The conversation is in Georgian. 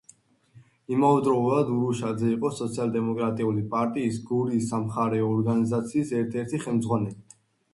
იმავდროულად, ურუშაძე იყო სოციალ-დემოკრატიული პარტიის გურიის სამხარეო ორგანიზაციის ერთ-ერთი ხელმძღვანელი.